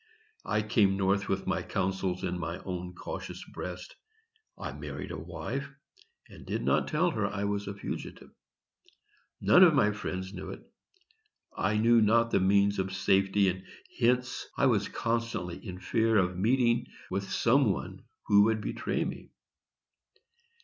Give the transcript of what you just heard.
I came North with my counsels in my own cautious breast. I married a wife, and did not tell her I was a fugitive. None of my friends knew it. I knew not the means of safety, and hence I was constantly in fear of meeting with some one who would betray me.